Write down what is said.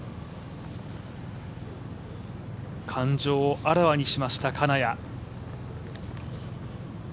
感情をあらわにしました金谷。